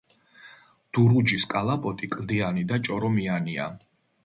დურუჯის კალაპოტი კლდიანი და ჭორომიანია.